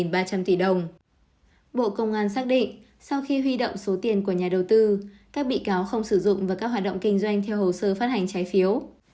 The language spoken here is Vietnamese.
bộ công an xác định sau khi huy động số tiền của nhà đầu tư các bị cáo không sử dụng vào các hoạt động kinh doanh theo hồ sơ phát hành trái phiếu